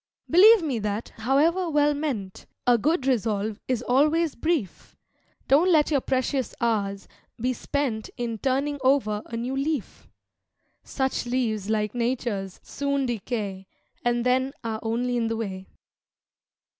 Believe me that, howe'er well meant, A Good Resolve is always brief; Don't let your precious hours be spent In turning over a new leaf. Such leaves, like Nature's, soon decay, And then are only in the way.